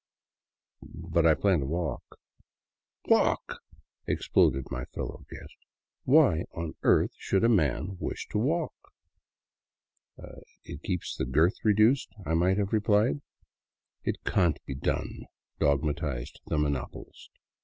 But I plan to walk." " Walk !" exploded my fellow guest, " Why on earth should a man wish to walk?" " It keeps the girth reduced," I might have replied. " It cahn't be done," dogmatized the monopolist.